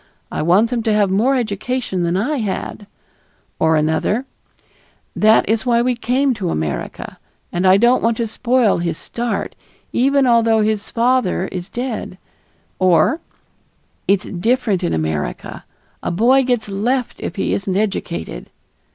I want them to have more education than I had"; or another, "That is why we came to America, and I don't want to spoil his start, even although his father is dead"; or "It's different in America. A boy gets left if he isn't educated."